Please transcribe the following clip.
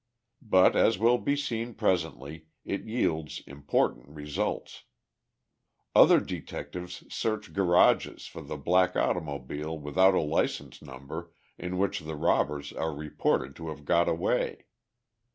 But, as will be seen presently, it yields important results. Other detectives search garages for the black automobile without a license number in which the robbers are reported to have got away.